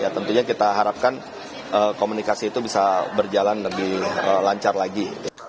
tentunya kita harapkan komunikasi itu bisa berjalan lebih lancar lagi